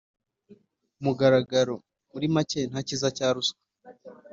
mugaragaro. Muri make nta kiza cya ruswa.